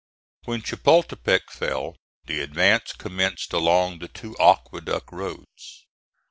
When Chapultepec fell the advance commenced along the two aqueduct roads.